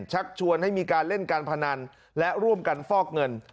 ชักชวนให้มีการเล่นการพนันและร่วมกันฟอกเงิน